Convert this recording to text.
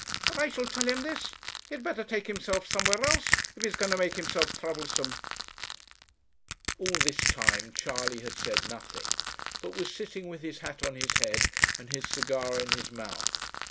But I shall tell him this; he'd better take himself somewhere else, if he's going to make himself troublesome.' All this time Charley had said nothing, but was sitting with his hat on his head, and his cigar in his mouth.